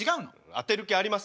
当てる気あります？